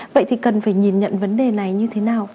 vậy thì cần phải nhìn nhận vấn đề này như thế nào